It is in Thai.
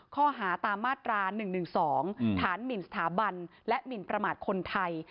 ข้อหาตามมาตรา๑๑๒ฐานหมินสถาบันและหมินประมาทคนไทย